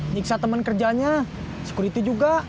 nyiksa teman kerjanya security juga